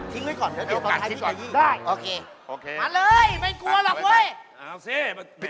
ต้อนต่อยโวต่อไป